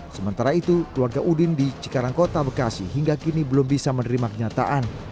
sementara itu keluarga udin di cikarang kota bekasi hingga kini belum bisa menerima kenyataan